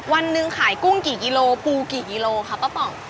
วันหนึ่งขายกุ้งกี่กิโลปูกี่กิโลครับป้าป่อง